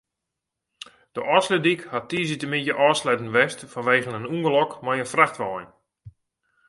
De Ofslútdyk hat tiisdeitemiddei ôfsletten west fanwegen in ûngelok mei in frachtwein.